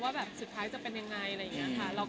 ว่าแบบสุดท้ายจะเป็นยังไงอะไรอย่างนี้ค่ะ